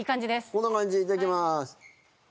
こんな感じでいただきます